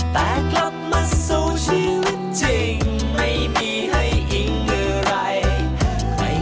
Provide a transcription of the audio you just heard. แต่กลับมาสู่ชีวิตจริงไม่มีให้อิ่งอะไร